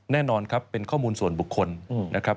แน่นอนครับเป็นข้อมูลส่วนบุคคลนะครับ